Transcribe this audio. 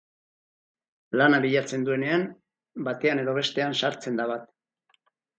Lana bilatzen duenean, batean edo bestean sartzen da bat.